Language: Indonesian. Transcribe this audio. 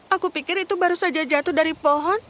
aku pikir itu baru saja jatuh dari pohon